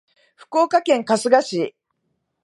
福岡県春日市